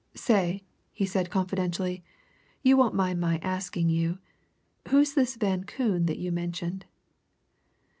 "Say!" he said confidentially. "You won't mind my asking you who's this Van Koon that you mentioned?"